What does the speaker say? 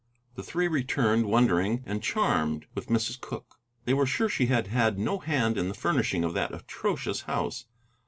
The three returned wondering and charmed with Mrs. Cooke; they were sure she had had no hand in the furnishing of that atrocious house.